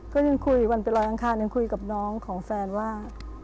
ก็ยังคุยวันไปลอยอังคารยังคุยกับน้องของแฟนว่า